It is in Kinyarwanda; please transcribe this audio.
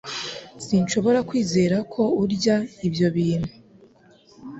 Sinshobora kwizera ko urya ibyo bintu